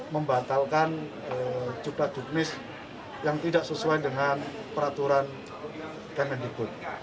membatalkan cipta jubnis yang tidak sesuai dengan peraturan kemendikbud